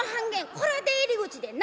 これは出入り口でんな。